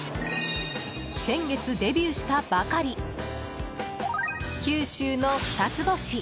先月デビューしたばかり九州の「ふたつ星」。